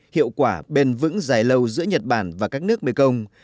hiệu quả bền vững dài lâu giữa nhật bản và các nước mekong